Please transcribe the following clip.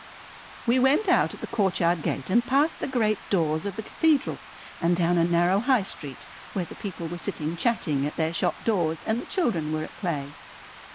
We wont out at the courtyard gate and past the great doors of the cathedral and down a narrow High Street where the people were sitting chatting at their shop doors and the children were at play.